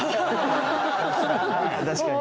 確かに。